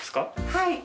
はい。